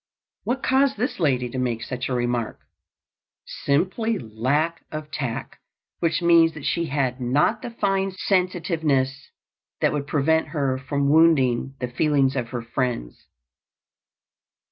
What caused this lady to make such a remark? Simply lack of tact, which means that she had not the fine sensitiveness that would prevent her from wounding the feelings of her friends.